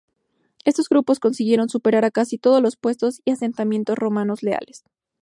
Estos grupos consiguieron superar a casi todos los puestos y asentamientos romanos leales.